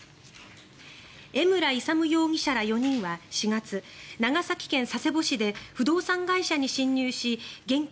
榎村勲武容疑者ら４人は４月長崎県佐世保市で不動産会社に侵入し現金